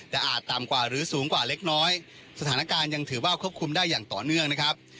แต่อาจต่ำกว่าหรือสูงกว่าเล็กน้อยสถานการณ์ยังถือว่าควบคุมได้อย่างต่อเนื่องนะครับ